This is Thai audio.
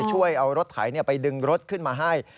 ช่วยเอารถไถไปดึงรถขึ้นมาให้